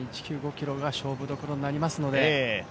ｋｍが勝負どころになりますので。